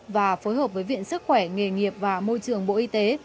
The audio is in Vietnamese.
và phối hợp với viện sức khỏe nghề nghiệp và môi trường bộ y tế